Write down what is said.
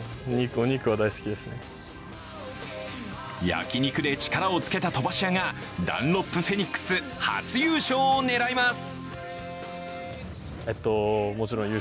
焼き肉で力をつけた飛ばし屋がダンロップフェニックス初優勝を狙います。